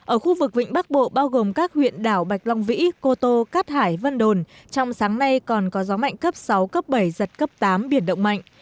ở khu vực vịnh bắc bộ bao gồm các huyện đảo bạch long vĩ cô tô cát hải vân đồn trong sáng nay còn có gió mạnh cấp sáu cấp bảy giật cấp tám biển động mạnh